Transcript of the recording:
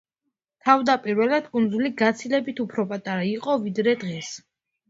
თავდაპირველად კუნძული გაცილებით უფრო პატარა იყო, ვიდრე დღეს.